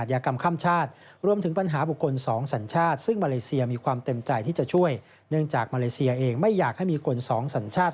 อย่างคนสองสัญชาตินี่แหละครับ